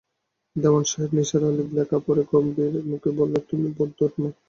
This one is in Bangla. দেওয়ান সাহেব নিসার আলির লেখা পড়ে গম্ভীর মুখে বললেন, তুমি বদ্ধ উন্মাদ।